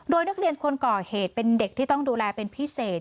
โดยนักเรียนคนก่อเหตุเป็นเด็กที่ต้องดูแลเป็นพิเศษ